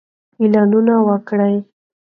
اعلانونه وکړئ.